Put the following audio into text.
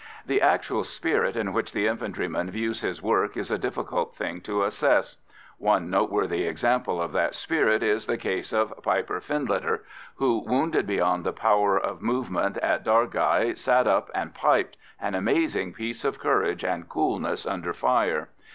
The actual spirit in which the infantryman views his work is a difficult thing to assess. One noteworthy example of that spirit is the case of Piper Findlater, who, wounded beyond the power of movement at Dargai, sat up and piped an amazing piece of courage and coolness under fire.